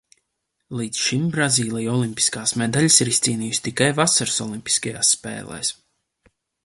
Līdz šim Brazīlija olimpiskās medaļas ir izcīnījusi tikai vasaras olimpiskajās spēlēs.